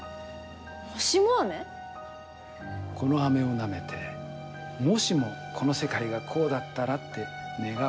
この飴をなめて「もしもこの世界がこうだったら」って願う。